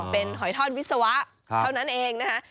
เป็นหอยทอดวิศวะเท่านั้นเองนะคะ